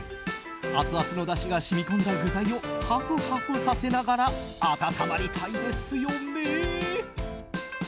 アツアツのだしが染み込んだ具材をハフハフさせながら温まりたいですよね。